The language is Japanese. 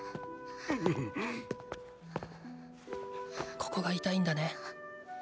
ここが痛いんだね。